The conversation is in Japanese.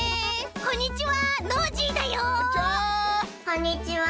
こんにちは！